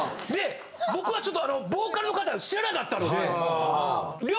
僕はちょっとボーカルの方知らなかったので。